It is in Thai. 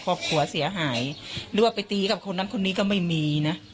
พอผัวเสียหายหรือว่าไปตีกับคนนั้นคนนี้ก็ไม่มีนะ